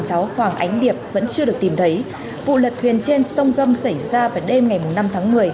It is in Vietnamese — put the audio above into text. cháu hoàng ánh điệp vẫn chưa được tìm thấy vụ lật thuyền trên sông gâm xảy ra vào đêm ngày năm tháng một mươi